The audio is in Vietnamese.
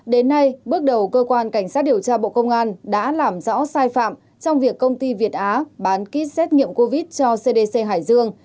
đến nay bước đầu cơ quan cảnh sát điều tra bộ công an đã làm rõ sai phạm trong việc công ty việt á bán kýt xét nghiệm covid cho cdc hải dương